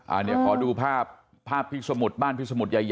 อันนี้ขอดูภาพภาพพิสมุทรบ้านพิสมุทรใหญ่